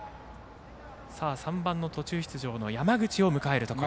３番の途中出場の山口を迎えるところ。